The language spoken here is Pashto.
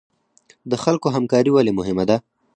د خلکو همکاري ولې مهمه ده؟